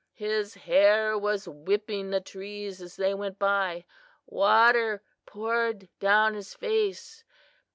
His hair was whipping the trees as they went by. Water poured down his face.